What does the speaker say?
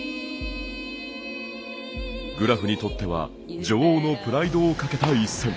グラフにとっては女王のプライドをかけた１戦。